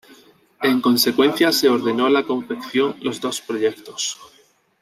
En consecuencia se ordenó la confección los dos proyectos.